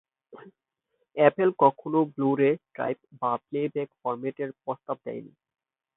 Apple কখনো blu ray drive বা playback ফরম্যাটের প্রস্তাব দেয়নি।